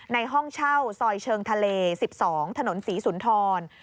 ห้องเช่าซอยเชิงทะเล๑๒ถนนศรีสุนทร